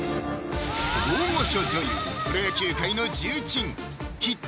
大御所女優・プロ野球界の重鎮ヒット